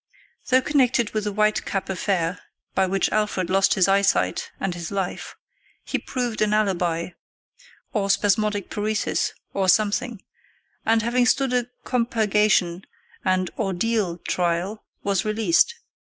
Though connected with the White Cap affair by which Alfred lost his eyesight and his life, he proved an alibi, or spasmodic paresis, or something, and, having stood a compurgation and "ordeal" trial, was released.